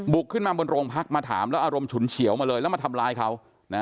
ขึ้นมาบนโรงพักมาถามแล้วอารมณ์ฉุนเฉียวมาเลยแล้วมาทำร้ายเขา